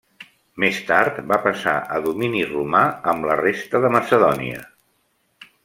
Més tard, va passar a domini romà amb la resta de Macedònia.